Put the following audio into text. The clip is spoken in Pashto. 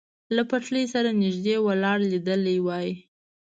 له پټلۍ سره نږدې ولاړ لیدلی وای.